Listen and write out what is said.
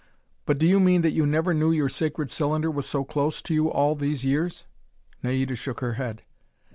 But do you mean that you never knew your sacred cylinder was so close to you all these years?" Naida shook her head.